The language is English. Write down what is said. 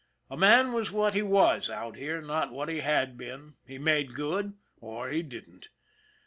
A man was what he was out here, not what he had been ; he made good, or he didn't.